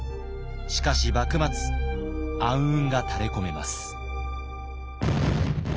しかし幕末暗雲が垂れこめます。